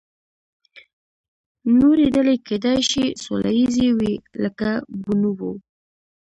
نورې ډلې کیدای شي سوله ییزې وي، لکه بونوبو.